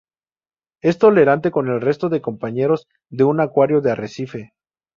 Es tolerante con el resto de compañeros de un acuario de arrecife.